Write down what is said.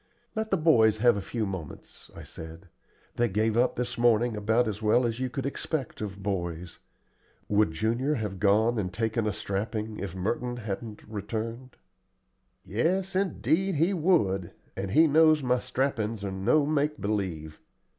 "Let the boys have a few moments," I said. "They gave up this morning about as well as you could expect of boys. Would Junior have gone and taken a strapping if Merton hadn't returned?" "Yes, indeed he would, and he knows my strappin's are no make believe.